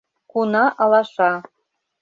Куна алаша...